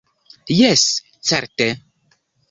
Jes, certe!